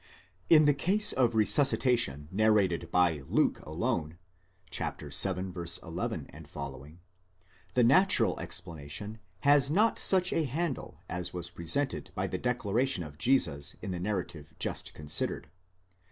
In the case cf resuscitation narrated by Luke alone (vii. 11 ff.) the natural explanation has not such a handle as was presented by the declaration of Jesus in the narrative just considered.